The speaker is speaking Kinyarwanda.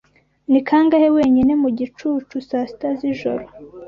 Ni kangahe wenyine mu gicucu saa sita z'ijoro